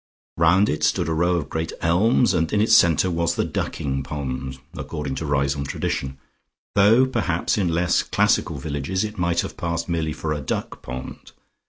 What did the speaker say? Round it stood a row of great elms, and in its centre was the ducking pond, according to Riseholme tradition, though perhaps in less classical villages it might have passed merely for a duck pond.